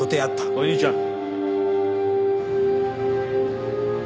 おい兄ちゃん。